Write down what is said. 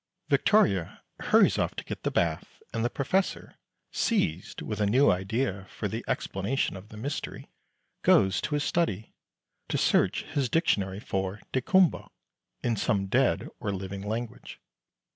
Victoria hurries off to get the bath, and the Professor, seized with a new idea for the explanation of the mystery, goes to his study to search his dictionary for "daykumboa" in some dead or living language.